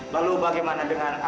lalu bagaimana dengan mereka